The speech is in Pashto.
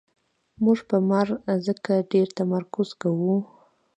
موږ په مار ځکه ډېر تمرکز کوو.